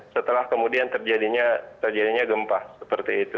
setelah kemudian terjadinya gempa seperti itu